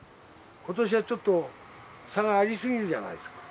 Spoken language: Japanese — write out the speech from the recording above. ことしはちょっと差がありすぎるじゃないですか。